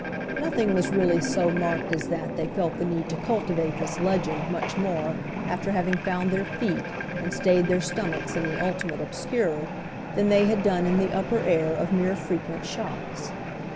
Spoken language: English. Nothing was really so marked as that they felt the need to cultivate this legend much more after having found their feet and stayed their stomachs in the ultimate obscure than they had done in the upper air of mere frequent shocks.